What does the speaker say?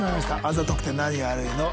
『あざとくて何が悪いの？』。